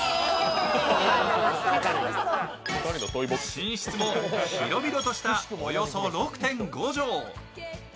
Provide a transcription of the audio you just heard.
寝室も広々とした、およそ６．５畳。